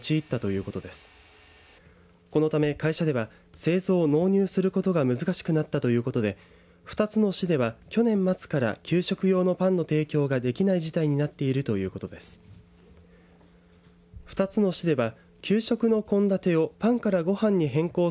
このため会社では製造、納入することが難しくなったということで２つの市では、去年末から給食用のパンの提供ができない事態になっているということです。